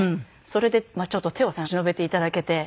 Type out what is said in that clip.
それでちょっと手を差し伸べていただけて。